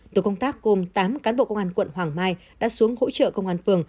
tổ công tác gồm tám cán bộ công an quận hoàng mai đã xuống hỗ trợ công an phường